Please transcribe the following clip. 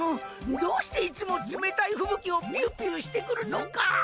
どうしていつも冷たい吹雪をピューピューしてくるのか？